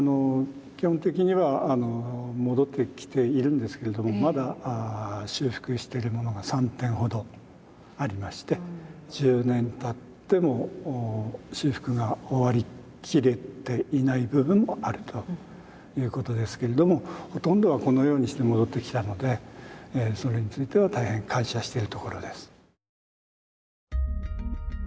基本的には戻ってきているんですけどもまだ修復してるものが３点ほどありまして１０年たっても修復が終わりきれていない部分もあるということですけれどもほとんどはこのようにして戻ってきたのでそれについては大変感謝してるところです。